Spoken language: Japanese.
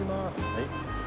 はい。